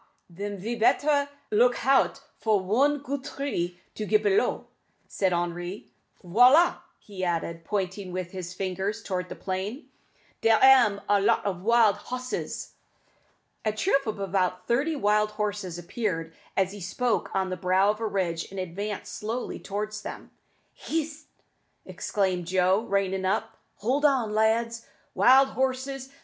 den ve better look hout for one goot tree to get b'low," suggested Henri. "Voilà!" he added, pointing with his finger towards the plain; "dere am a lot of wild hosses." A troop of about thirty wild horses appeared, as he spoke, on the brow of a ridge, and advanced slowly towards them. "Hist!" exclaimed Joe, reining up; "hold on, lads. Wild horses!